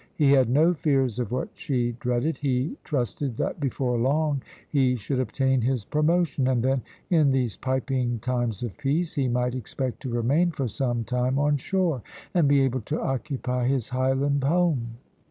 He had no fears of what she dreaded. He trusted that before long he should obtain his promotion, and then, in these piping times of peace, he might expect to remain for some time on shore, and be able to occupy his Highland home.